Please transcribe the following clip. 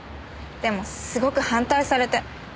でもすごく反対されて。